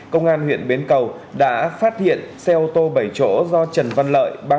công an huyện bến cầu đã phát hiện xe ô tô bảy chỗ do trần văn lợi